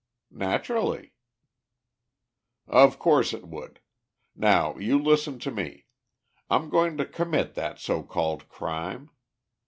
"Naturally." "Of course it would. Now, you listen to me. I'm going to commit that so called crime.